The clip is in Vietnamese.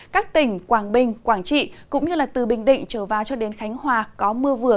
các tỉnh quảng bình quảng trị cũng như từ bình định trở vào cho đến khánh hòa có mưa vừa